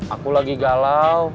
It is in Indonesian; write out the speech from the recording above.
aku lagi galau